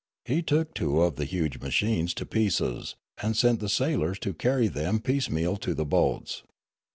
He took two of the huge machines to pieces, and sent the sailors to carry them piecemeal to the boats.